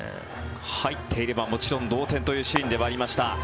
入っていればもちろん同点というシーンではありました。